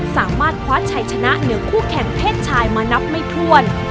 สามารถคว้าชัยชนะเหนือคู่แข่งเพศชายมานับไม่ถ้วน